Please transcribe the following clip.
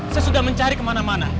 saya sudah mencari kemana mana